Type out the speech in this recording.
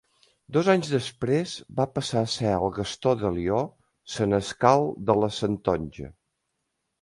Dos anys després va passar a ser de Gastó de Lió, senescal de la Santonja.